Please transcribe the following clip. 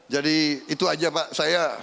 jadi itu saja pak saya